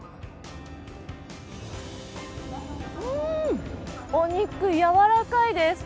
うーん、お肉やわらかいです。